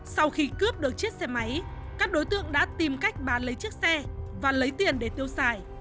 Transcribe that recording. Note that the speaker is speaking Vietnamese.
sau khi cướp được chiếc xe máy các đối tượng đã tìm cách bán lấy chiếc xe và lấy tiền để tiêu xài